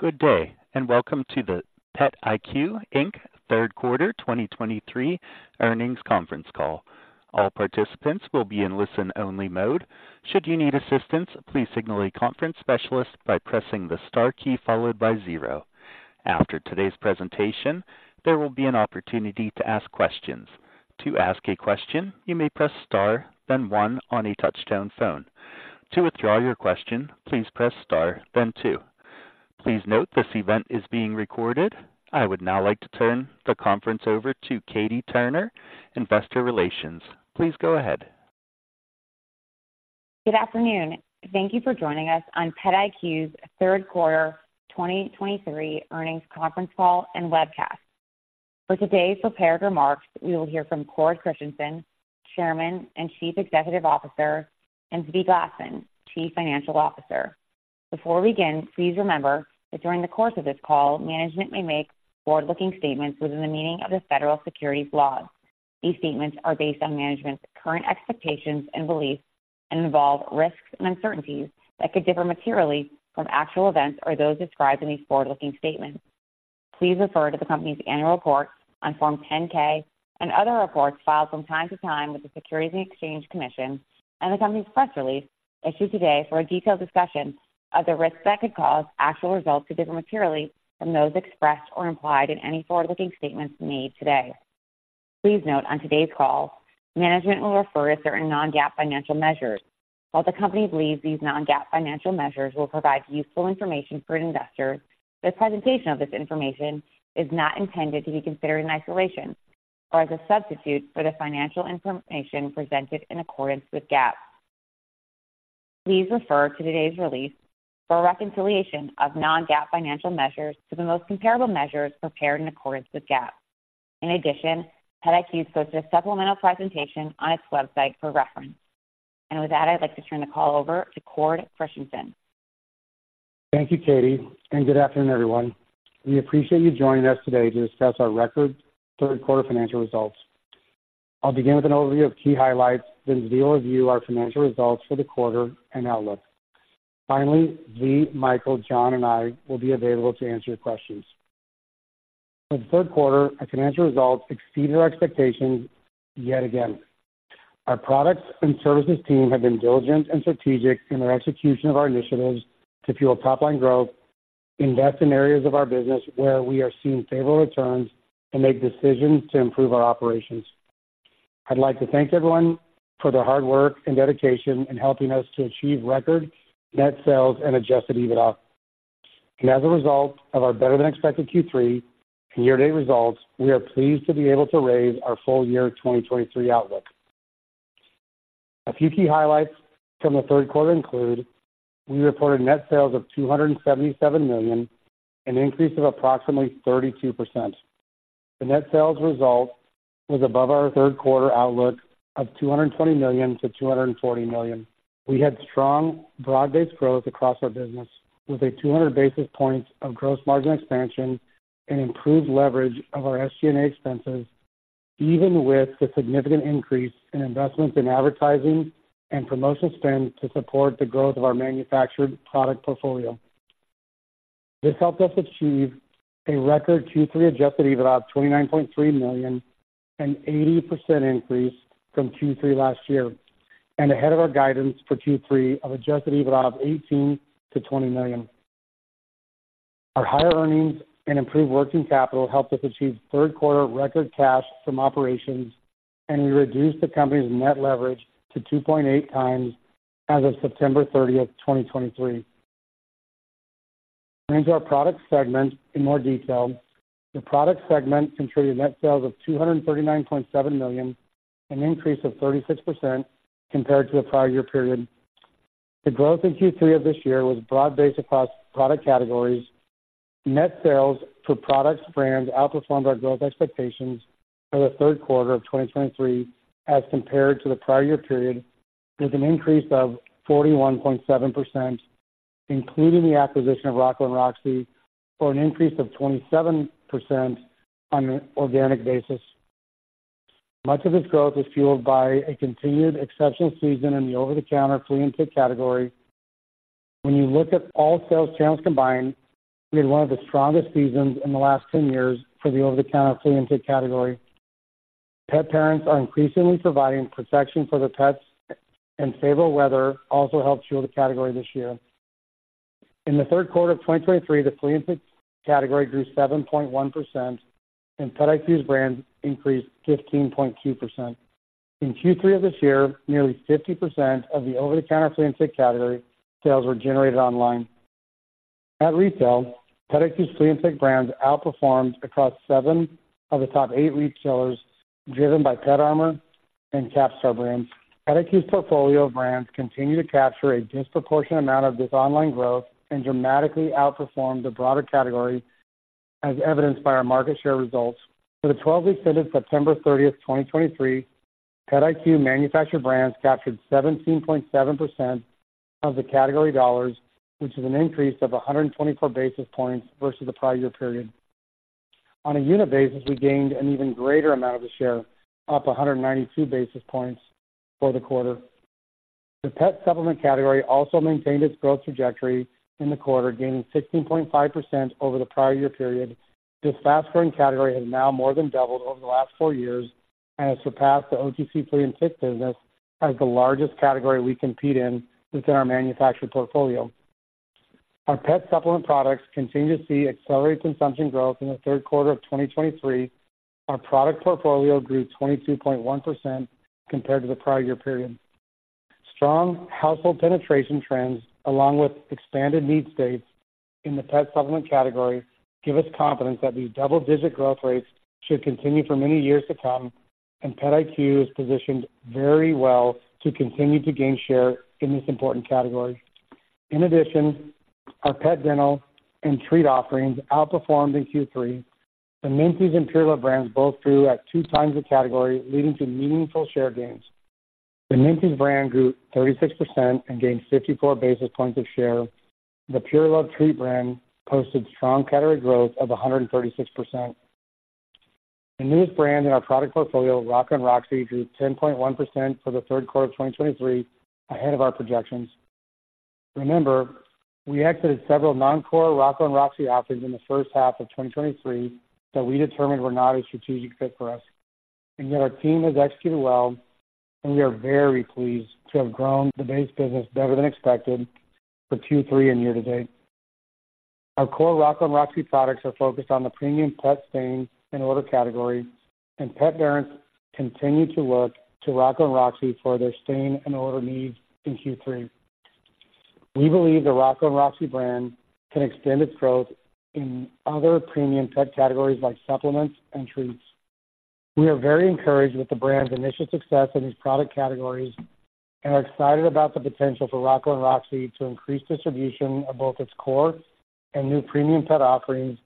Good day, and welcome to the PetIQ Inc. 3rd quarter 2023 earnings conference call. All participants will be in listen-only mode. Should you need assistance, please signal a conference specialist by pressing the star key followed by zero. After today's presentation, there will be an opportunity to ask questions. To ask a question, you may press star, then one on a touchtone phone. To withdraw your question, please press star then two. Please note this event is being recorded. I would now like to turn the conference over to Katie Turner, Investor Relations. Please go ahead. Good afternoon. Thank you for joining us on PetIQ's 3rd quarter 2023 earnings conference call and webcast. For today's prepared remarks, we will hear from Cord Christensen, Chairman and Chief Executive Officer, and Zvi Glasman, Chief Financial Officer. Before we begin, please remember that during the course of this call, management may make forward-looking statements within the meaning of the Federal Securities laws. These statements are based on management's current expectations and beliefs and involve risks and uncertainties that could differ materially from actual events or those described in these forward-looking statements. Please refer to the company's annual report on Form 10-K and other reports filed from time to time with the Securities and Exchange Commission and the company's press release issued today for a detailed discussion of the risks that could cause actual results to differ materially from those expressed or implied in any forward-looking statements made today. Please note on today's call, management will refer to certain non-GAAP financial measures. While the company believes these non-GAAP financial measures will provide useful information for investors, the presentation of this information is not intended to be considered in isolation or as a substitute for the financial information presented in accordance with GAAP. Please refer to today's release for a reconciliation of non-GAAP financial measures to the most comparable measures prepared in accordance with GAAP. In addition, PetIQ posted a supplemental presentation on its website for reference. With that, I'd like to turn the call over to Cord Christensen. Thank you, Katie, and good afternoon, everyone. We appreciate you joining us today to discuss our record 3rd quarter financial results. I'll begin with an overview of key highlights, then Zvi will review our financial results for the quarter and outlook. Finally, Zvi, Michael, John, and I will be available to answer your questions. For the 3rd quarter, our financial results exceeded our expectations yet again. Our products and services team have been diligent and strategic in their execution of our initiatives to fuel top-line growth, invest in areas of our business where we are seeing favorable returns, and make decisions to improve our operations. I'd like to thank everyone for their hard work and dedication in helping us to achieve record net sales and Adjusted EBITDA. As a result of our better-than-expected Q3 and year-to-date results, we are pleased to be able to raise our full year 2023 outlook. A few key highlights from the 3rd quarter include: We reported net sales of $277 million, an increase of approximately 32%. The net sales result was above our 3rd quarter outlook of $220-$240 million. We had strong broad-based growth across our business, with 200 basis points of gross margin expansion and improved leverage of our SG&A expenses, even with the significant increase in investments in advertising and promotional spend to support the growth of our manufactured product portfolio. This helped us achieve a record Q3 Adjusted EBITDA of $29.3 million, an 80% increase from Q3 last year, and ahead of our guidance for Q3 of adjusted EBITDA of $18-$20 million. Our higher earnings and improved working capital helped us achieve 3rd quarter record cash from operations, and we reduced the company's net leverage to 2.8x as of September 30, 2023. Turning to our product segment in more detail. The product segment contributed net sales of $239.7 million, an increase of 36% compared to the prior year period. The growth in Q3 of this year was broad-based across product categories. Net sales for products brands outperformed our growth expectations for the 3rd quarter of 2023 as compared to the prior year period, with an increase of 41.7%, including the acquisition of Rocco & Roxie, for an increase of 27% on an organic basis. Much of this growth was fueled by a continued exceptional season in the over-the-counter flea and tick category. When you look at all sales channels combined, we had one of the strongest seasons in the last 10 years for the over-the-counter flea and tick category. Pet parents are increasingly providing protection for their pets, and stable weather also helped fuel the category this year. In the 3rd quarter of 2023, the flea and tick category grew 7.1%, and PetIQ's brands increased 15.2%. In Q3 of this year, nearly 50% of the over-the-counter flea and tick category sales were generated online. At retail, PetIQ's flea and tick brands outperformed across 7 of the top 8 retailers, driven by PetArmor and Capstar brands. PetIQ's portfolio of brands continue to capture a disproportionate amount of this online growth and dramatically outperformed the broader category, as evidenced by our market share results. For the 12 weeks ended September 30, 2023, PetIQ manufactured brands captured 17.7% of the category dollars, which is an increase of 124 basis points versus the prior year period. On a unit basis, we gained an even greater amount of the share, up 192 basis points for the quarter. The pet supplement category also maintained its growth trajectory in the quarter, gaining 16.5% over the prior year period. This fast-growing category has now more than doubled over the last 4 years and has surpassed the OTC flea and tick business as the largest category we compete in within our manufactured portfolio. Our pet supplement products continue to see accelerated consumption growth in the 3rd quarter of 2023. Our product portfolio grew 22.1% compared to the prior year period. Strong household penetration trends, along with expanded need states in the pet supplement category, give us confidence that these double-digit growth rates should continue for many years to come, and PetIQ is positioned very well to continue to gain share in this important category. In addition, our pet dental and treat offerings outperformed in Q3. The Minties and Pur Luv brands both grew at 2 times the category, leading to meaningful share gains. The Minties brand grew 36% and gained 54 basis points of share. The Pur Luv treat brand posted strong category growth of 136%. The newest brand in our product portfolio, Rocco & Roxie, grew 10.1% for the 3rd quarter of 2023, ahead of our projections. Remember, we exited several non-core Rocco & Roxie offerings in the first half of 2023 that we determined were not a strategic fit for us. And yet our team has executed well, and we are very pleased to have grown the base business better than expected for Q3 and year to date. Our core Rocco & Roxie products are focused on the premium pet stain and odor category, and pet parents continue to look to Rocco & Roxie for their stain and odor needs in Q3. We believe the Rocco & Roxie brand can extend its growth in other premium pet categories like supplements and treats. We are very encouraged with the brand's initial success in these product categories and are excited about the potential for Rocco & Roxie to increase distribution of both its core and new premium pet offerings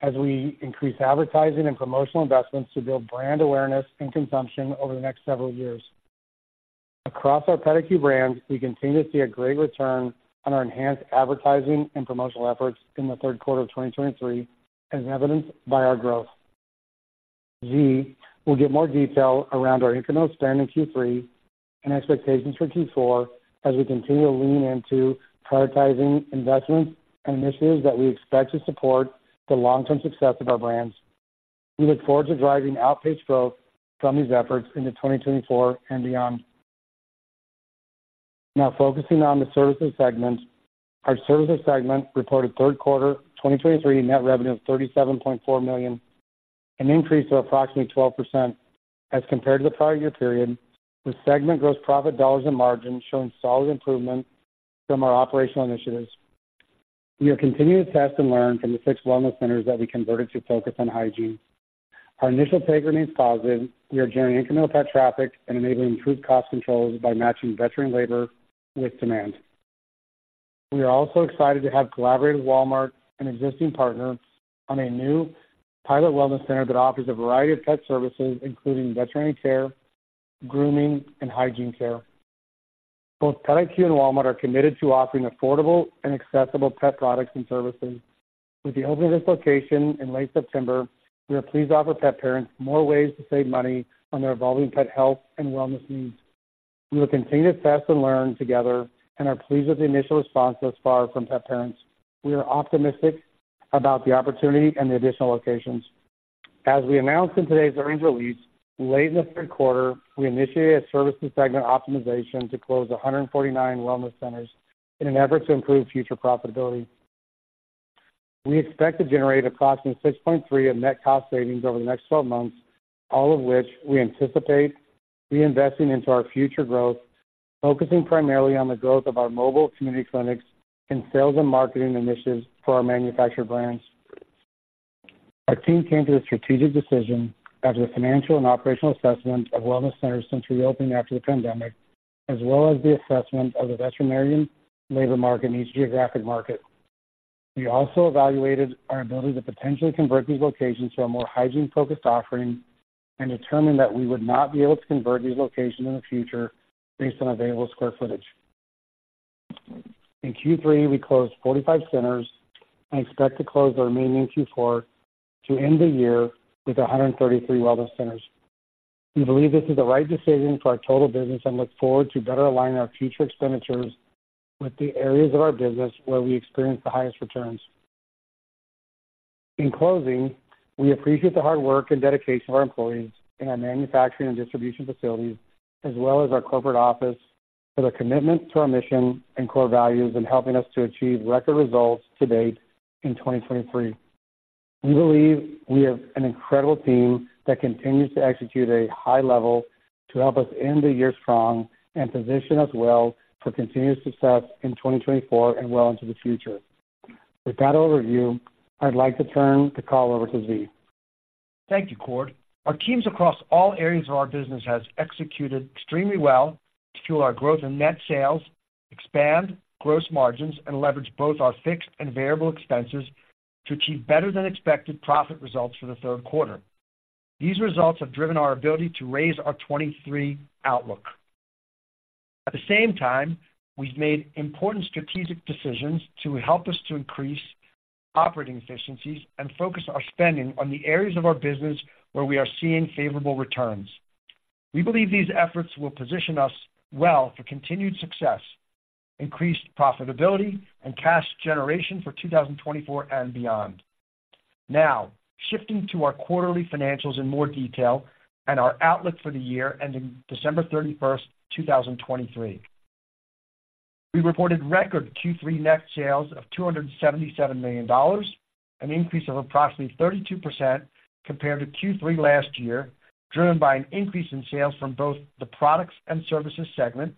as we increase advertising and promotional investments to build brand awareness and consumption over the next several years. Across our PetIQ brands, we continue to see a great return on our enhanced advertising and promotional efforts in the 3rd quarter of 2023, as evidenced by our growth. Zvi will give more detail around our incremental spend in Q3 and expectations for Q4 as we continue to lean into prioritizing investments and initiatives that we expect to support the long-term success of our brands. We look forward to driving outpaced growth from these efforts into 2024 and beyond. Now, focusing on the services segment. Our services segment reported 3rd quarter 2023 net revenue of $37.4 million, an increase of approximately 12% as compared to the prior year period, with segment gross profit dollars and margins showing solid improvement from our operational initiatives. We have continued to test and learn from the six wellness centers that we converted to focus on hygiene. Our initial data remains positive. We are generating incremental pet traffic and enabling improved cost controls by matching veterinarian labor with demand. We are also excited to have collaborated with Walmart, an existing partner, on a new pilot wellness center that offers a variety of pet services, including veterinary care, grooming, and hygiene care. Both PetIQ and Walmart are committed to offering affordable and accessible pet products and services. With the opening of this location in late September, we are pleased to offer pet parents more ways to save money on their evolving pet health and wellness needs. We will continue to test and learn together and are pleased with the initial response thus far from pet parents. We are optimistic about the opportunity and the additional locations. As we announced in today's earnings release, late in the 3rd quarter, we initiated a services segment optimization to close 149 wellness centers in an effort to improve future profitability. We expect to generate approximately $6.3 million of net cost savings over the next 12 months, all of which we anticipate reinvesting into our future growth, focusing primarily on the growth of our mobile community clinics and sales and marketing initiatives for our manufactured brands. Our team came to a strategic decision after the financial and operational assessment of wellness centers since reopening after the pandemic, as well as the assessment of the veterinarian labor market in each geographic market. We also evaluated our ability to potentially convert these locations to a more hygiene-focused offering and determined that we would not be able to convert these locations in the future based on available square footage. In Q3, we closed 45 centers and expect to close the remaining in Q4 to end the year with 133 wellness centers. We believe this is the right decision for our total business and look forward to better aligning our future expenditures with the areas of our business where we experience the highest returns. In closing, we appreciate the hard work and dedication of our employees in our manufacturing and distribution facilities, as well as our corporate office, for their commitment to our mission and core values in helping us to achieve record results to date in 2023. We believe we have an incredible team that continues to execute a high level to help us end the year strong and position us well for continued success in 2024 and well into the future. With that overview, I'd like to turn the call over to Zvi. Thank you, Cord. Our teams across all areas of our business has executed extremely well to fuel our growth in net sales, expand gross margins, and leverage both our fixed and variable expenses to achieve better than expected profit results for the 3rd quarter. These results have driven our ability to raise our 2023 outlook. At the same time, we've made important strategic decisions to help us to increase operating efficiencies and focus our spending on the areas of our business where we are seeing favorable returns. We believe these efforts will position us well for continued success, increased profitability, and cash generation for 2024 and beyond. Now, shifting to our quarterly financials in more detail and our outlook for the year ending December 31st, 2023. We reported record Q3 net sales of $277 million, an increase of approximately 32% compared to Q3 last year, driven by an increase in sales from both the products and services segment,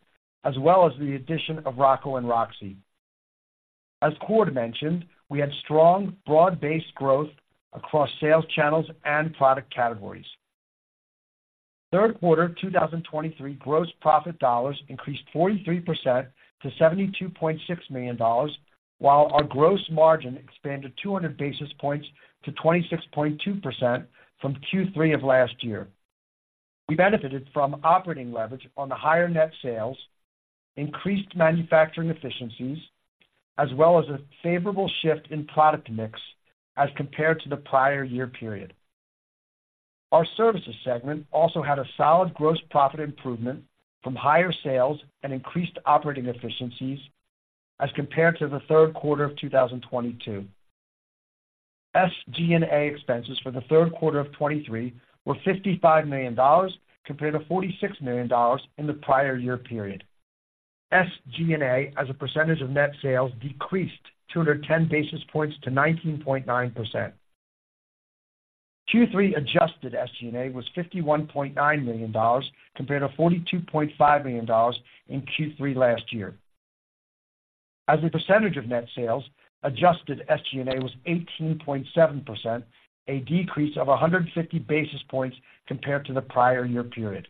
as well as the addition of Rocco & Roxie. As Cord mentioned, we had strong, broad-based growth across sales channels and product categories. Third quarter 2023 gross profit dollars increased 43% to $72.6 million, while our gross margin expanded 200 basis points to 26.2% from Q3 of last year. We benefited from operating leverage on the higher net sales, increased manufacturing efficiencies, as well as a favorable shift in product mix as compared to the prior year period. Our services segment also had a solid gross profit improvement from higher sales and increased operating efficiencies as compared to the 3rd quarter of 2022. SG&A expenses for the 3rd quarter of 2023 were $55 million, compared to $46 million in the prior year period. SG&A, as a percentage of net sales, decreased 210 basis points to 19.9%. Q3 adjusted SG&A was $51.9 million, compared to $42.5 million in Q3 last year. As a percentage of net sales, adjusted SG&A was 18.7%, a decrease of 150 basis points compared to the prior year period.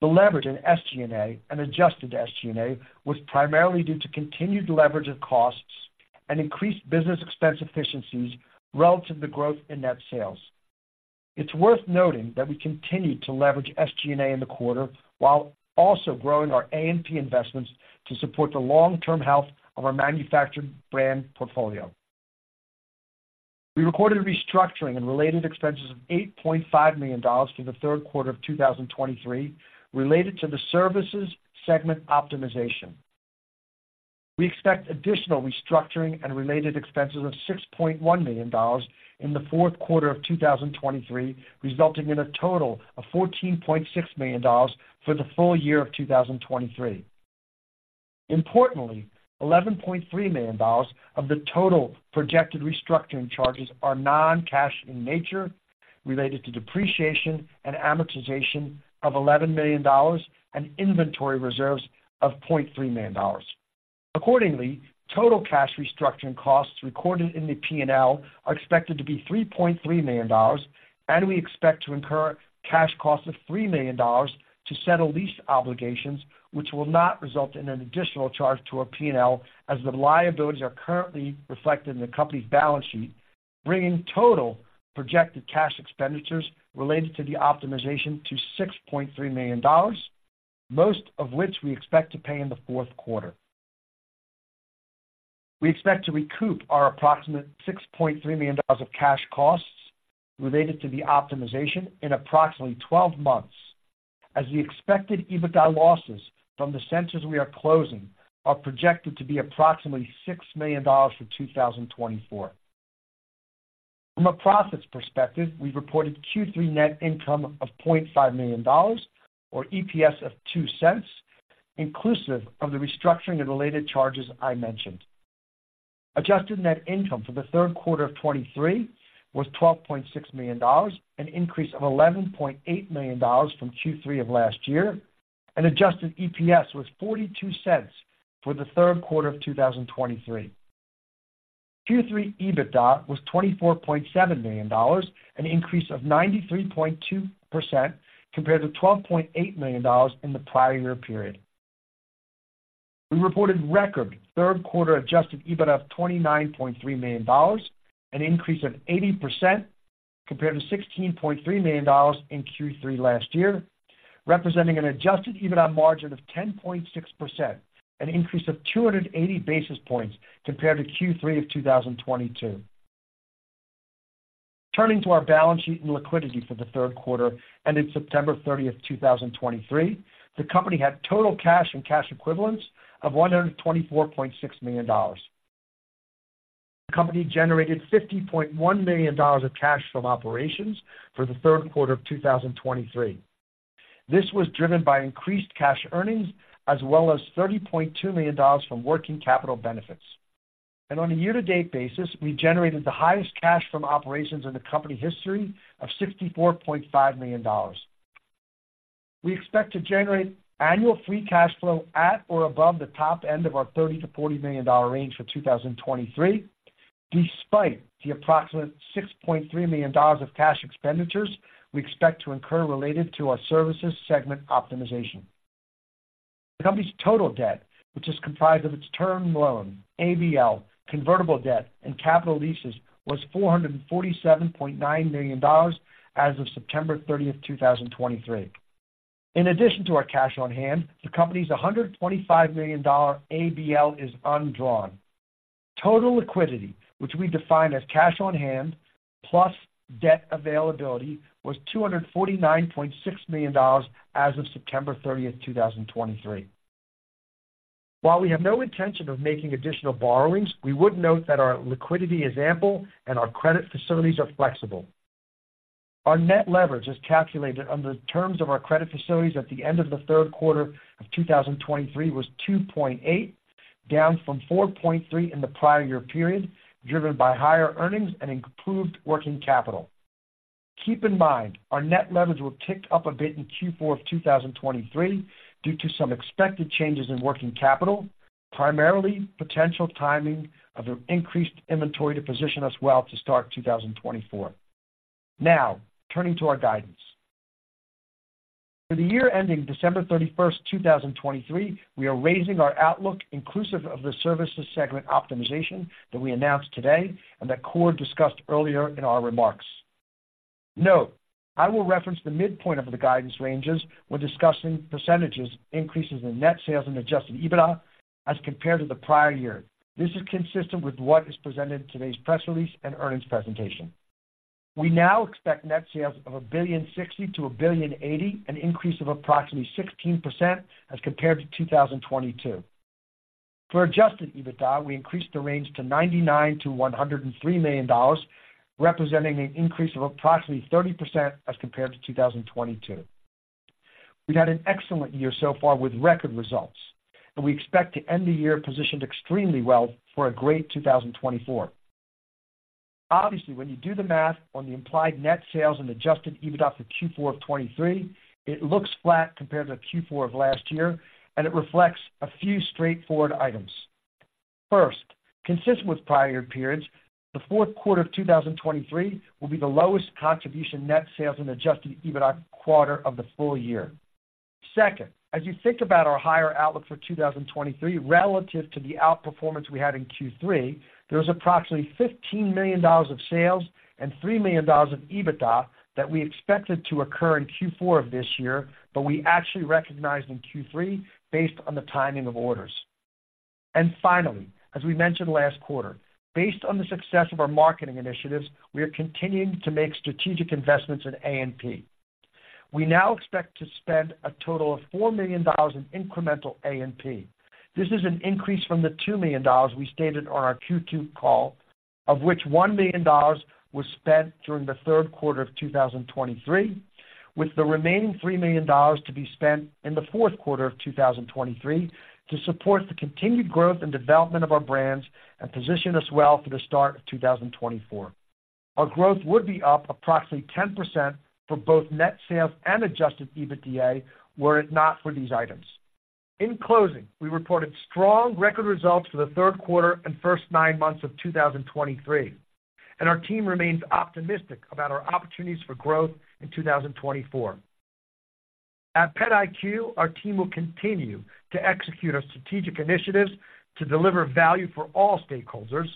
The leverage in SG&A and adjusted SG&A was primarily due to continued leverage of costs and increased business expense efficiencies relative to the growth in net sales. It's worth noting that we continued to leverage SG&A in the quarter, while also growing our A&P investments to support the long-term health of our manufactured brand portfolio. We recorded restructuring and related expenses of $8.5 million for the 3rd quarter of 2023, related to the services segment optimization. We expect additional restructuring and related expenses of $6.1 million in the 4th quarter of 2023, resulting in a total of $14.6 million for the full year of 2023. Importantly, $11.3 million of the total projected restructuring charges are non-cash in nature, related to depreciation and amortization of $11 million and inventory reserves of $0.3 million. Accordingly, total cash restructuring costs recorded in the P&L are expected to be $3.3 million, and we expect to incur cash costs of $3 million to settle lease obligations, which will not result in an additional charge to our P&L, as the liabilities are currently reflected in the company's balance sheet, bringing total projected cash expenditures related to the optimization to $6.3 million, most of which we expect to pay in the 4th quarter. We expect to recoup our approximate $6.3 million of cash costs related to the optimization in approximately 12 months, as the expected EBITDA losses from the centers we are closing are projected to be approximately $6 million for 2024. From a profits perspective, we reported Q3 net income of $0.5 million, or EPS of $0.02, inclusive of the restructuring and related charges I mentioned. Adjusted net income for the 3rd quarter of 2023 was $12.6 million, an increase of $11.8 million from Q3 of last year, and adjusted EPS was $0.42 for the 3rd quarter of 2023. Q3 EBITDA was $24.7 million, an increase of 93.2% compared to $12.8 million in the prior year period. We reported record 3rd quarter Adjusted EBITDA of $29.3 million, an increase of 80% compared to $16.3 million in Q3 last year, representing an Adjusted EBITDA margin of 10.6%, an increase of 280 basis points compared to Q3 of 2022. Turning to our balance sheet and liquidity for the 3rd quarter, ending September 30, 2023, the company had total cash and cash equivalents of $124.6 million. The company generated $50.1 million of cash from operations for the 3rd quarter of 2023. This was driven by increased cash earnings, as well as $30.2 million from working capital benefits. On a year-to-date basis, we generated the highest cash from operations in the company history of $64.5 million. We expect to generate annual free cash flow at or above the top end of our $30-$40 million range for 2023, despite the approximate $6.3 million of cash expenditures we expect to incur related to our services segment optimization. The company's total debt, which is comprised of its term loan, ABL, convertible debt, and capital leases, was $447.9 million as of September 30, 2023. In addition to our cash on hand, the company's $125 million ABL is undrawn. Total liquidity, which we define as cash on hand plus debt availability, was $249.6 million as of September 30, 2023. While we have no intention of making additional borrowings, we would note that our liquidity is ample and our credit facilities are flexible. Our net leverage is calculated under the terms of our credit facilities at the end of the 3rd quarter of 2023 was 2.8, down from 4.3 in the prior year period, driven by higher earnings and improved working capital. Keep in mind, our net leverage will tick up a bit in Q4 of 2023 due to some expected changes in working capital, primarily potential timing of an increased inventory to position us well to start 2024. Now, turning to our guidance. For the year ending December 31st, 2023, we are raising our outlook, inclusive of the services segment optimization that we announced today and that Cord discussed earlier in our remarks. Note, I will reference the midpoint of the guidance ranges when discussing percentages, increases in net sales and Adjusted EBITDA as compared to the prior year. This is consistent with what is presented in today's press release and earnings presentation. We now expect net sales of $1.06-$1.08 billion, an increase of approximately 16% as compared to 2022. For Adjusted EBITDA, we increased the range to $99-$103 million, representing an increase of approximately 30% as compared to 2022. We've had an excellent year so far with record results, and we expect to end the year positioned extremely well for a great 2024. Obviously, when you do the math on the implied net sales and Adjusted EBITDA for Q4 of 2023, it looks flat compared to Q4 of last year, and it reflects a few straightforward items. First, consistent with prior periods, the 4th quarter of 2023 will be the lowest contribution net sales and Adjusted EBITDA quarter of the full year. Second, as you think about our higher outlook for 2023 relative to the outperformance we had in Q3, there was approximately $15 million of sales and $3 million of EBITDA that we expected to occur in Q4 of this year, but we actually recognized in Q3 based on the timing of orders. Finally, as we mentioned last quarter, based on the success of our marketing initiatives, we are continuing to make strategic investments in A&P. We now expect to spend a total of $4 million in incremental A&P. This is an increase from the $2 million we stated on our Q2 call, of which $1 million was spent during the 3rd quarter of 2023, with the remaining $3 million to be spent in the 4th quarter of 2023 to support the continued growth and development of our brands and position us well for the start of 2024. Our growth would be up approximately 10% for both net sales and Adjusted EBITDA, were it not for these items. In closing, we reported strong record results for the 3rd quarter and first nine months of 2023, and our team remains optimistic about our opportunities for growth in 2024. At PetIQ, our team will continue to execute our strategic initiatives to deliver value for all stakeholders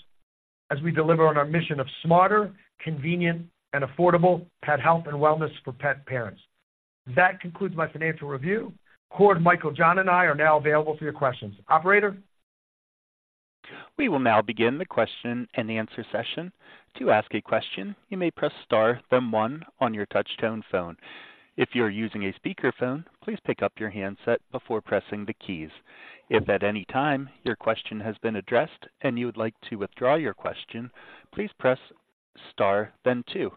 as we deliver on our mission of smarter, convenient, and affordable pet health and wellness for pet parents. That concludes my financial review. Cord, Michael, John, and I are now available for your questions. Operator? We will now begin the question-and-answer session. To ask a question, you may press star, then one on your touchtone phone. If you are using a speakerphone, please pick up your handset before pressing the keys. If at any time your question has been addressed and you would like to withdraw your question, please press Star then two.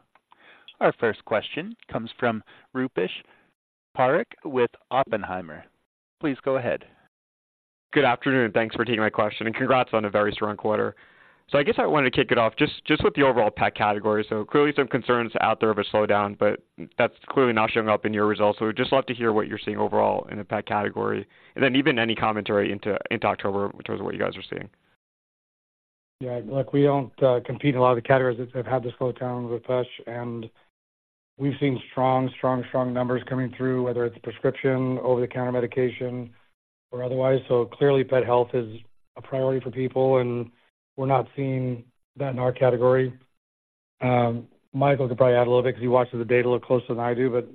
Our first question comes from Rupesh Parikh with Oppenheimer. Please go ahead. Good afternoon, thanks for taking my question, and congrats on a very strong quarter. So I guess I wanted to kick it off just, just with the overall pet category. So clearly some concerns out there of a slowdown, but that's clearly not showing up in your results. So we'd just love to hear what you're seeing overall in the pet category, and then even any commentary into, into October in terms of what you guys are seeing. Yeah, look, we don't compete in a lot of the categories that have had the slowdown with us, and we've seen strong, strong, strong numbers coming through, whether it's prescription, over-the-counter medication, or otherwise. So clearly, pet health is a priority for people, and we're not seeing that in our category. Michael could probably add a little bit because he watches the data a little closer than I do, but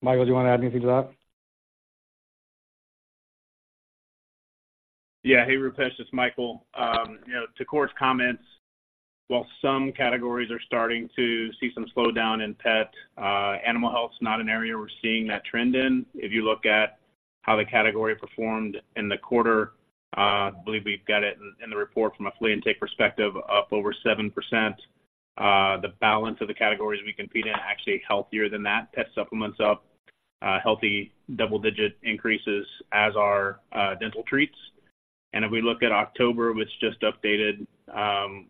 Michael, do you want to add anything to that? Yeah. Hey, Rupesh, it's Michael. You know, to Cord's comments, while some categories are starting to see some slowdown in pet animal health is not an area we're seeing that trend in. If you look at how the category performed in the quarter, I believe we've got it in the report from a flea and tick perspective, up over 7%. The balance of the categories we compete in are actually healthier than that. Pet supplements up healthy double-digit increases, as are dental treats. And if we look at October, which just updated,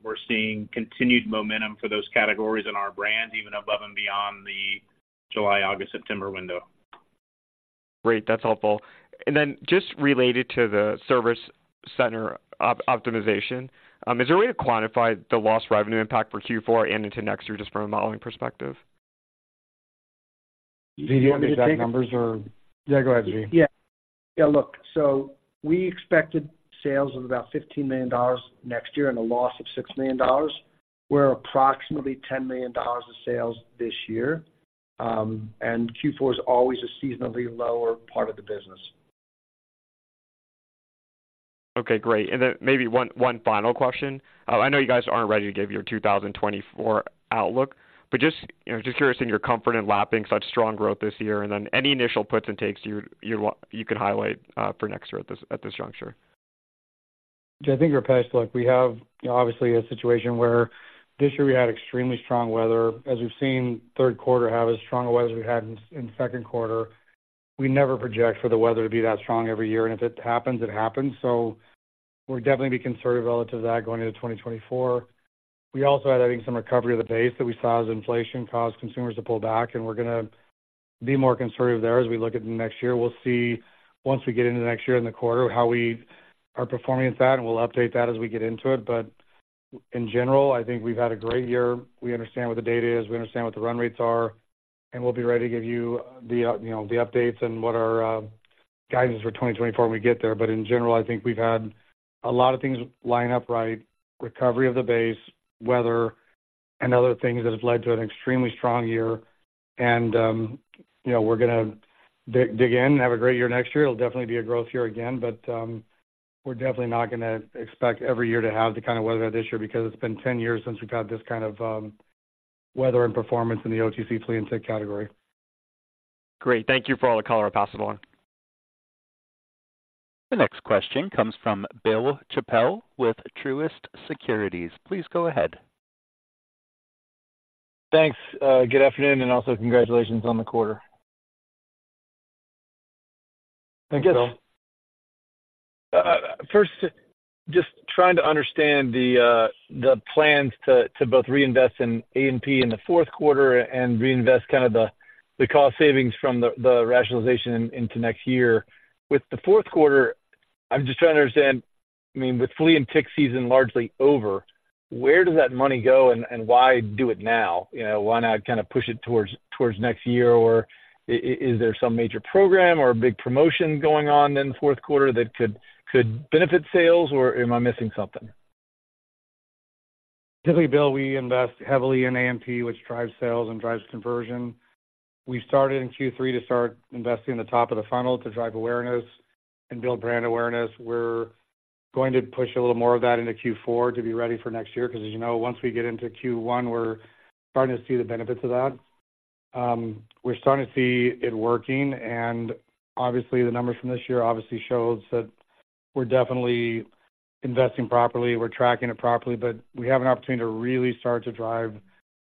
we're seeing continued momentum for those categories in our brand, even above and beyond the July, August, September window. Great, that's helpful. And then just related to the service center optimization, is there a way to quantify the lost revenue impact for Q4 and into next year, just from a modeling perspective? Do you want the exact numbers or? Yeah, go ahead, Zvi. Yeah. Yeah, look, so we expected sales of about $15 million next year and a loss of $6 million, where approximately $10 million of sales this year. And Q4 is always a seasonally lower part of the business. Okay, great. And then maybe one final question. I know you guys aren't ready to give your 2024 outlook, but just, you know, just curious in your comfort in lapping such strong growth this year, and then any initial puts and takes you could highlight for next year at this juncture? I think, Rupesh, look, we have obviously a situation where this year we had extremely strong weather. As we've seen, 3rd quarter have as strong a weather as we had in 2nd quarter. We never project for the weather to be that strong every year, and if it happens, it happens. So we'll definitely be conservative relative to that going into 2024. We also had, I think, some recovery of the base that we saw as inflation caused consumers to pull back, and we're gonna be more conservative there as we look at the next year. We'll see once we get into next year in the quarter, how we are performing at that, and we'll update that as we get into it. But in general, I think we've had a great year. We understand what the data is, we understand what the run rates are, and we'll be ready to give you the, you know, the updates and what our guidance is for 2024 when we get there. But in general, I think we've had a lot of things line up right, recovery of the base, weather, and other things that have led to an extremely strong year. And, you know, we're gonna dig in and have a great year next year. It'll definitely be a growth year again, but, we're definitely not gonna expect every year to have the kind of weather that this year, because it's been 10 years since we've had this kind of weather and performance in the OTC flea and tick category. Great. Thank you for all the color, Pass it on. The next question comes from Bill Chappell with Truist Securities. Please go ahead. Thanks. Good afternoon, and also congratulations on the quarter. Thanks, Bill. First, just trying to understand the plans to both reinvest in A&P in the 4th quarter and reinvest kind of the cost savings from the rationalization into next year. With the 4th quarter, I'm just trying to understand, I mean, with flea and tick season largely over, where does that money go and why do it now? You know, why not kind of push it towards next year? Or is there some major program or a big promotion going on in the 4th quarter that could benefit sales, or am I missing something? Typically, Bill, we invest heavily in A&P, which drives sales and drives conversion. We started in Q3 to start investing in the top of the funnel to drive awareness and build brand awareness. We're going to push a little more of that into Q4 to be ready for next year, because as you know, once we get into Q1, we're starting to see the benefits of that. We're starting to see it working, and obviously, the numbers from this year obviously shows that we're definitely investing properly, we're tracking it properly. But we have an opportunity to really start to drive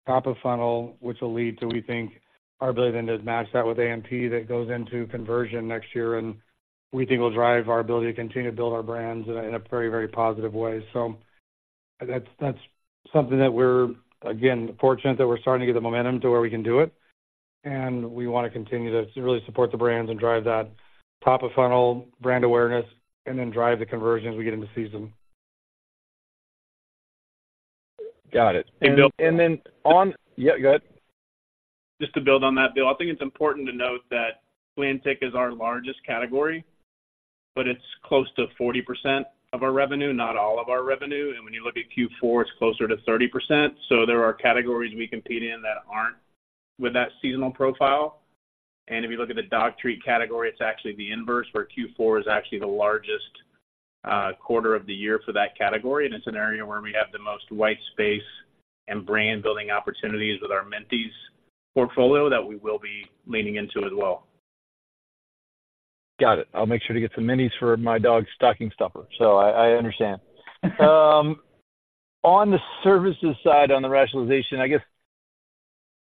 top of funnel, which will lead to, we think, our ability then to match that with AMP that goes into conversion next year. And we think will drive our ability to continue to build our brands in a very, very positive way. So that's, that's something that we're, again, fortunate that we're starting to get the momentum to where we can do it, and we want to continue to really support the brands and drive that top-of-funnel brand awareness and then drive the conversions we get into season. Got it. And then on... Yeah, go ahead. Just to build on that, Bill, I think it's important to note that flea and tick is our largest category, but it's close to 40% of our revenue, not all of our revenue. And when you look at Q4, it's closer to 30%. So there are categories we compete in that aren't with that seasonal profile. And if you look at the dog treat category, it's actually the inverse, where Q4 is actually the largest quarter of the year for that category, and it's an area where we have the most white space and brand building opportunities with our Minties portfolio that we will be leaning into as well. Got it. I'll make sure to get some Minties for my dog's stocking stuffer, so I understand. On the services side, on the rationalization, I guess,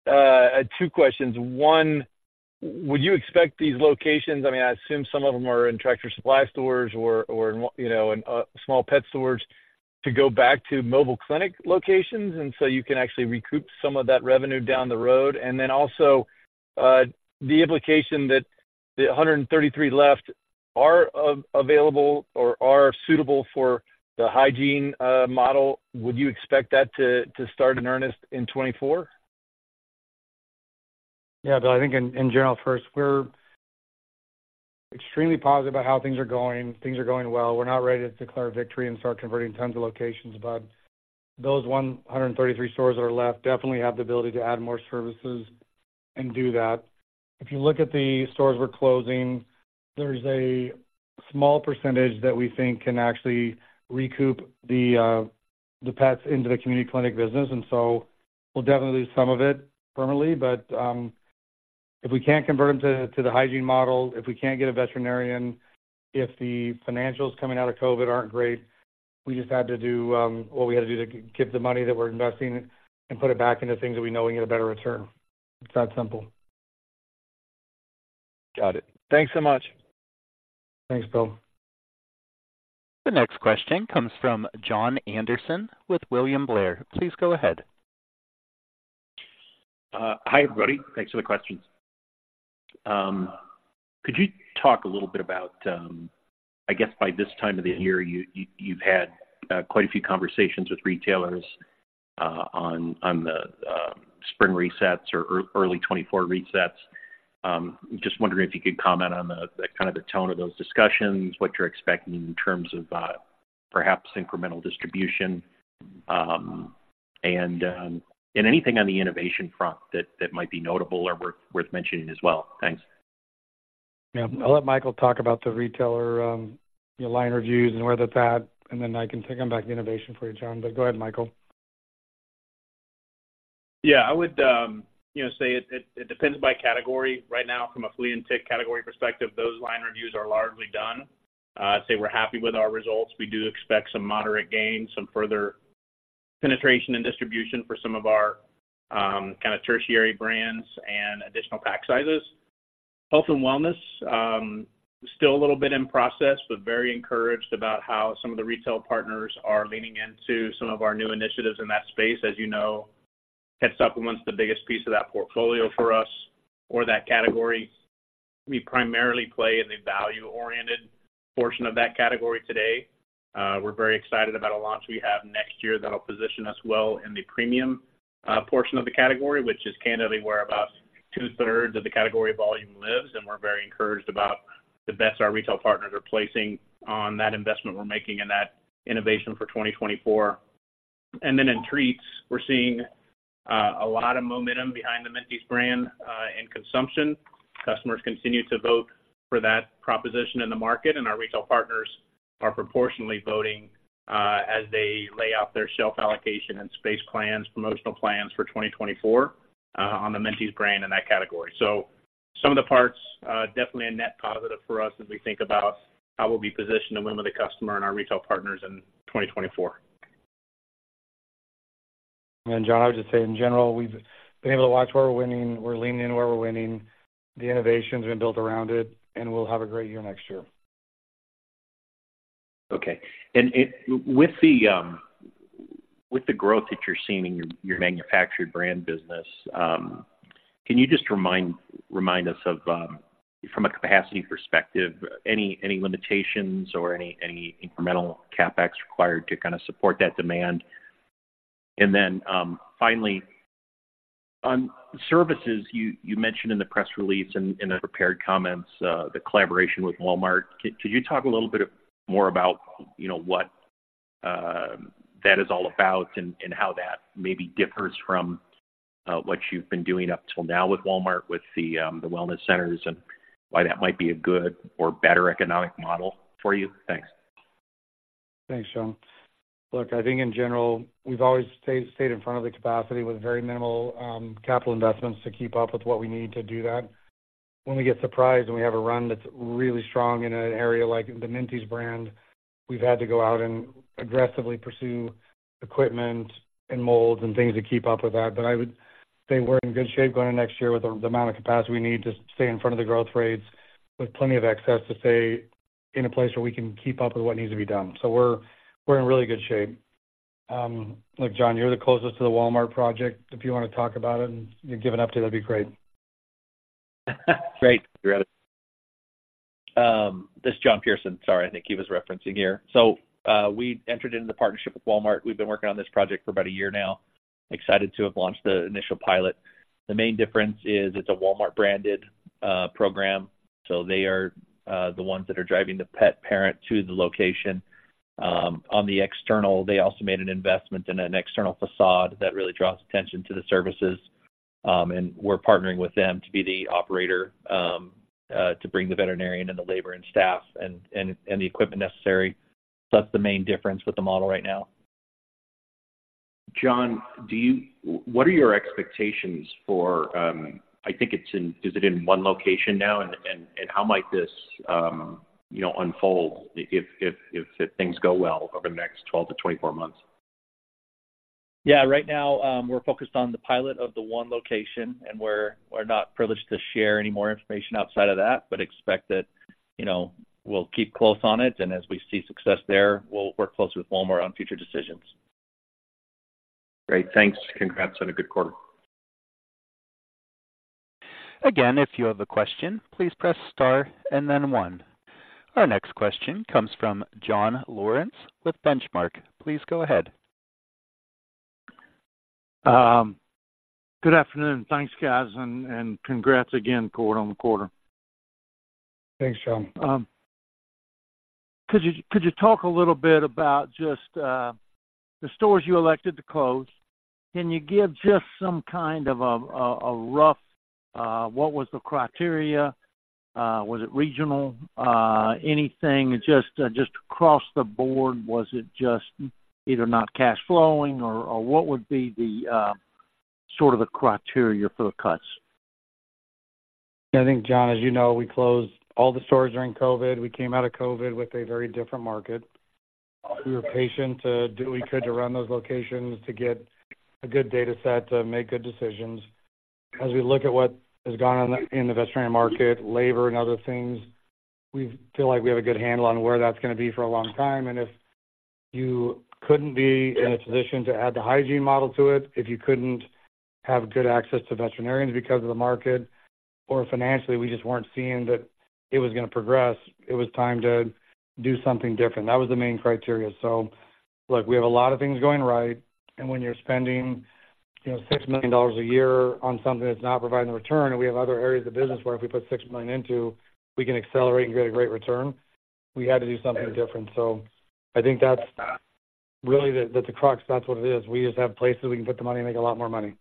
I had two questions. One, would you expect these locations? I mean, I assume some of them are in Tractor Supply stores or you know, in small pet stores to go back to mobile clinic locations, and so you can actually recoup some of that revenue down the road. And then also, the implication that the 133 left are available or are suitable for the hygiene model, would you expect that to start in earnest in 2024? Yeah, Bill, I think in general, first, we're extremely positive about how things are going. Things are going well. We're not ready to declare victory and start converting tons of locations, but those 133 stores that are left definitely have the ability to add more services and do that. If you look at the stores we're closing, there's a small percentage that we think can actually recoup the pets into the community clinic business, and so we'll definitely lose some of it permanently. But if we can't convert them to the hygiene model, if we can't get a veterinarian, if the financials coming out of COVID aren't great, we just had to do what we had to do to keep the money that we're investing and put it back into things that we know we get a better return. It's that simple. Got it. Thanks so much. Thanks, Bill. The next question comes from Jon Andersen with William Blair. Please go ahead. Hi, everybody. Thanks for the questions. Could you talk a little bit about... I guess by this time of the year, you, you've had quite a few conversations with retailers on the spring resets or early 2024 resets. Just wondering if you could comment on the kind of the tone of those discussions, what you're expecting in terms of perhaps incremental distribution? And anything on the innovation front that might be notable or worth mentioning as well? Thanks. Yeah. I'll let Michael talk about the retailer, the line reviews and where that's at, and then I can take them back to innovation for you, Jon. But go ahead, Michael. Yeah, I would, you know, say it depends by category. Right now, from a flea and tick category perspective, those line reviews are largely done. I'd say we're happy with our results. We do expect some moderate gains, some further penetration and distribution for some of our kinda tertiary brands and additional pack sizes. Health and wellness still a little bit in process, but very encouraged about how some of the retail partners are leaning into some of our new initiatives in that space. As you know, pet supplement's the biggest piece of that portfolio for us or that category. We primarily play in the value-oriented portion of that category today. We're very excited about a launch we have next year that'll position us well in the premium portion of the category, which is candidly where about two-thirds of the category volume lives, and we're very encouraged about the bets our retail partners are placing on that investment we're making in that innovation for 2024. And then in treats, we're seeing a lot of momentum behind the Minties brand in consumption. Customers continue to vote for that proposition in the market, and our retail partners are proportionately voting as they lay out their shelf allocation and space plans, promotional plans for 2024, on the Minties brand in that category. So some of the parts definitely a net positive for us as we think about how we'll be positioned to win with the customer and our retail partners in 2024. And Jon, I would just say, in general, we've been able to watch where we're winning, we're leaning in where we're winning, the innovation's been built around it, and we'll have a great year next year. Okay. And with the growth that you're seeing in your manufactured brand business, can you just remind us of, from a capacity perspective, any limitations or any incremental CapEx required to kinda support that demand? And then, finally, on services, you mentioned in the press release and in the prepared comments, the collaboration with Walmart. Could you talk a little bit more about, you know, what that is all about and how that maybe differs from what you've been doing up till now with Walmart, with the wellness centers, and why that might be a good or better economic model for you? Thanks. Thanks, Jon. Look, I think in general, we've always stayed in front of the capacity with very minimal capital investments to keep up with what we need to do that. When we get surprised and we have a run that's really strong in an area like the Minties brand, we've had to go out and aggressively pursue equipment and molds and things to keep up with that. But I would say we're in good shape going into next year with the amount of capacity we need to stay in front of the growth rates, with plenty of excess to stay in a place where we can keep up with what needs to be done. So we're in really good shape. Look, John, you're the closest to the Walmart project. If you wanna talk about it and give an update, that'd be great. Great. This is John Pearson. Sorry, I think he was referencing here. So, we entered into the partnership with Walmart. We've been working on this project for about a year now. Excited to have launched the initial pilot. The main difference is it's a Walmart-branded program, so they are the ones that are driving the pet parent to the location. On the external, they also made an investment in an external facade that really draws attention to the services. And we're partnering with them to be the operator to bring the veterinarian and the labor and staff and the equipment necessary. So that's the main difference with the model right now. John, what are your expectations for? I think it's in, is it in one location now? And how might this, you know, unfold if things go well over the next 12-24 months? Yeah. Right now, we're focused on the pilot of the one location, and we're not privileged to share any more information outside of that, but expect that, you know, we'll keep close on it, and as we see success there, we'll work close with Walmart on future decisions. Great. Thanks, and congrats on a good quarter. Again, if you have a question, please press star and then one. Our next question comes from John Lawrence with Benchmark. Please go ahead. Good afternoon. Thanks, guys, and congrats again on the quarter. Thanks, John. Could you, could you talk a little bit about just the stores you elected to close? Can you give just some kind of a rough what was the criteria? Was it regional? Anything, just, just across the board, was it just either not cash flowing or, or what would be the sort of the criteria for the cuts? I think, John, as you know, we closed all the stores during COVID. We came out of COVID with a very different market. We were patient to do what we could to run those locations, to get a good data set, to make good decisions. As we look at what has gone on in the veterinary market, labor and other things, we feel like we have a good handle on where that's gonna be for a long time. And if you couldn't be in a position to add the hygiene model to it, if you couldn't have good access to veterinarians because of the market, or financially, we just weren't seeing that it was gonna progress. It was time to do something different. That was the main criteria. So look, we have a lot of things going right, and when you're spending, you know, $6 million a year on something that's not providing the return, and we have other areas of the business where if we put $6 million into, we can accelerate and get a great return, we had to do something different. So I think that's really the, the crux. That's what it is. We just have places we can put the money and make a lot more money.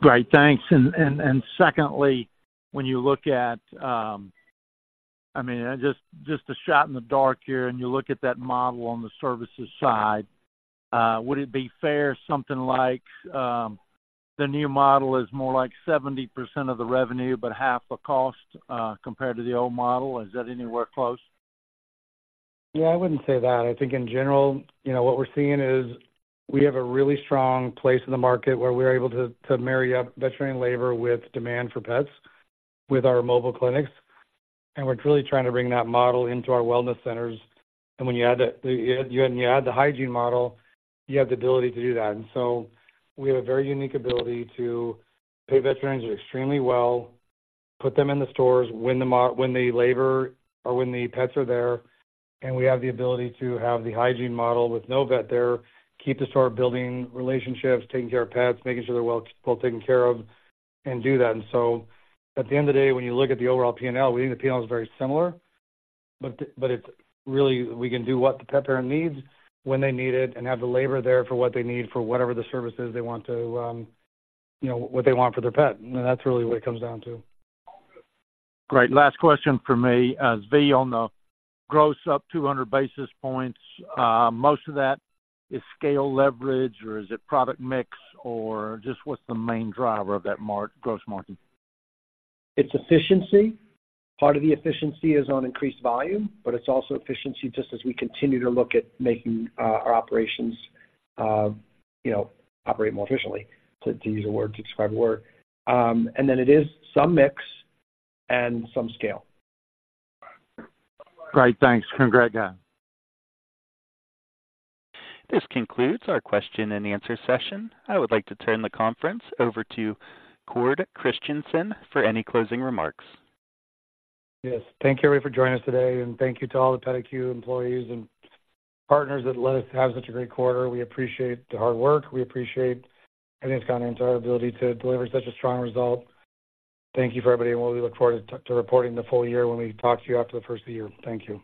Great, thanks. And secondly, when you look at, I mean, just a shot in the dark here, and you look at that model on the services side, would it be fair, something like, the new model is more like 70% of the revenue, but half the cost, compared to the old model? Is that anywhere close? Yeah, I wouldn't say that. I think in general, you know, what we're seeing is we have a really strong place in the market where we're able to, to marry up veterinary labor with demand for pets, with our mobile clinics. And we're truly trying to bring that model into our wellness centers. And when you add the, you, and you add the hygiene model, you have the ability to do that. And so we have a very unique ability to pay veterinarians extremely well, put them in the stores, when the labor or when the pets are there, and we have the ability to have the hygiene model with no vet there, keep the store building relationships, taking care of pets, making sure they're well, well taken care of, and do that. And so at the end of the day, when you look at the overall P&L, we think the P&L is very similar, but it's really we can do what the pet parent needs, when they need it, and have the labor there for what they need, for whatever the services they want to, you know, what they want for their pet. And that's really what it comes down to. Great. Last question for me. Zvi on the gross up 200 basis points, most of that is scale leverage, or is it product mix? Or just what's the main driver of that gross margin? It's efficiency. Part of the efficiency is on increased volume, but it's also efficiency just as we continue to look at making our operations, you know, operate more efficiently, to use a word to describe a word. And then it is some mix and some scale. Great. Thanks. Great, yeah. This concludes our question and answer session. I would like to turn the conference over to Cord Christensen for any closing remarks. Yes. Thank you, everybody, for joining us today, and thank you to all the PetIQ employees and partners that let us have such a great quarter. We appreciate the hard work. We appreciate, I think, our ability to deliver such a strong result. Thank you for everybody, and we look forward to, to reporting the full year when we talk to you after the first of the year. Thank you.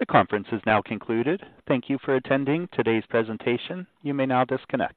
The conference is now concluded. Thank you for attending today's presentation. You may now disconnect.